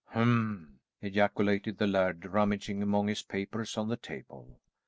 "Hum," ejaculated the laird, rummaging among his papers on the table.